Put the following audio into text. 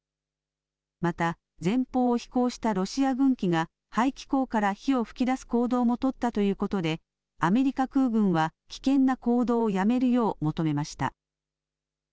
また前方を飛行したロシア軍機が、排気口から火を噴き出す行動も取ったということで、アメリカ空軍は危険な行動をやめるよう求めました。